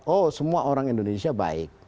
oh semua orang indonesia baik